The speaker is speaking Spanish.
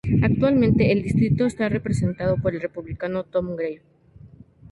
Actualmente el distrito está representado por el Republicano Tom Grave.